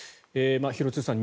廣津留さん